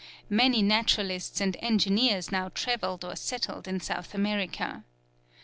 Many naturalists and engineers now travelled or settled in South America.